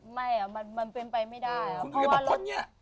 ไม่อะมันเป็นไปไม่ได้อะ